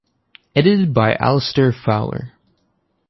Edited by Alastair Fowler.